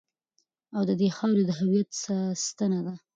او د دې خاورې د هویت ستنه ده.